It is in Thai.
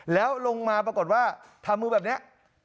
แล้วลงมาปรากฏว่าทำมือแบบนี้